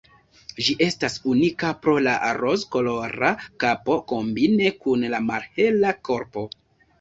Ĝi estas unika pro la rozkolora kapo kombine kun la malhela korpo.